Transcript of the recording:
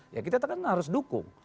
ya kita itu kan harus dukung